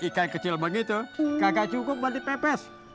ikan kecil begitu kagak cukup buat dipepes